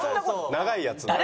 長いやつを。